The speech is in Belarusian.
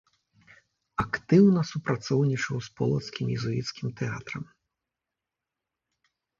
Актыўна супрацоўнічаў з полацкім езуіцкім тэатрам.